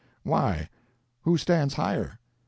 "Why, who stands higher?"